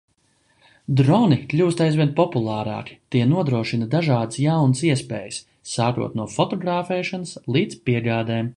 Droni kļūst aizvien populārāki, tie nodrošina dažādas jaunas iespējas – sākot no fotografēšanas līdz piegādēm.